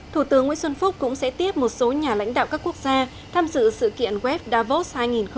thủ tướng nguyễn xuân phúc cũng sẽ tiếp một số nhà lãnh đạo các quốc gia tham dự sự kiện wef davos hai nghìn một mươi chín